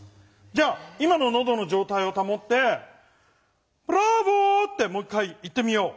じゃあ今ののどのじょうたいをたもって「ブラボー」ってもう一回言ってみよう。